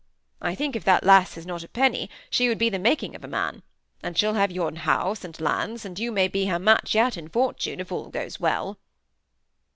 I think if that lass had not a penny, she would be the making of a man; and she'll have yon house and lands, and you may be her match yet in fortune if all goes well."